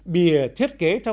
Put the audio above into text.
bìa thiết kế theo